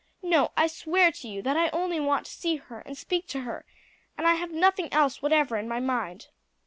No; I swear to you that I only want to see her and to speak to her, and I have nothing else whatever in my mind."